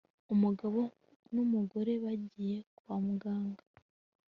Umugabo numugore bagiye kwa muganga